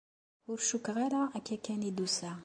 Ur cukkeɣ ara akka kan i d-tusa.